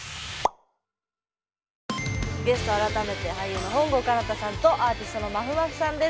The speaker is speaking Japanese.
ゲストは改めて俳優の本郷奏多さんとアーティストのまふまふさんです。